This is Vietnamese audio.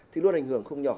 thì luôn ảnh hưởng không nhỏ